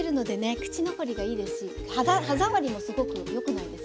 口残りがいいですし歯触りもすごくよくないですか？